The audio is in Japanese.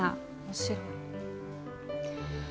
面白い。